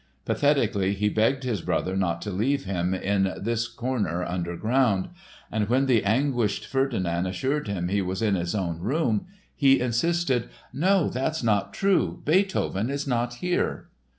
Pathetically he begged his brother not to leave him "in this corner under ground"; and when the anguished Ferdinand assured him he was in his own room he insisted: "No, that's not true, Beethoven is not here!"